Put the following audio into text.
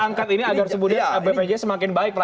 angkat ini agar sebudaya bpj semakin baik